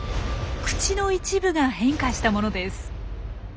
口の一部が変化したものです。